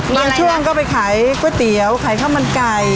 บางช่วงก็ไปขายก๋วยเตี๋ยวขายข้าวมันไก่